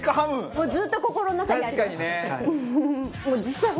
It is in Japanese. もうずっと心の中にあります。